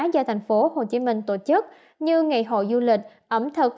do tp hcm tổ chức như ngày hội du lịch ẩm thực